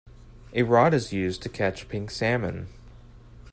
A rod is used to catch pink salmon.